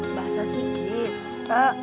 eh basah sikit